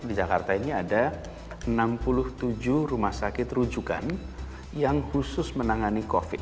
di jakarta ini ada enam puluh tujuh rumah sakit rujukan yang khusus menangani covid